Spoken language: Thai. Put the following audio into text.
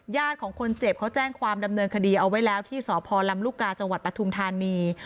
ของคนเจ็บเขาแจ้งความดำเนินคดีเอาไว้แล้วที่สพลำลูกกาจังหวัดปทุมธานี